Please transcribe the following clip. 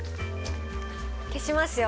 消しますよ。